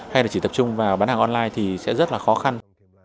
hay là chỉ tập trung vào bán hàng online thì sẽ rất là khó khăn